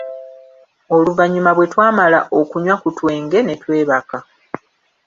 Oluvannyuma bwe twamala okunywa ku twenge, ne twebaka.